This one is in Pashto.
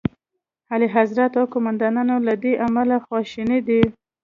اعلیخضرت او قوماندان له دې امله خواشیني دي.